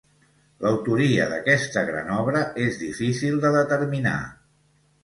L'autoria d'aquesta gran obra és difícil de determinar.